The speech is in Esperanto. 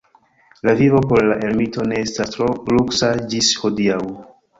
La vivo por la ermito ne estas tro luksa ĝis hodiaŭ.